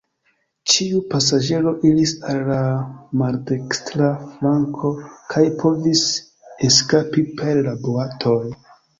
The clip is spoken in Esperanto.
Ĉiu pasaĝero iris al la maldekstra flanko kaj povis eskapi per la boatoj.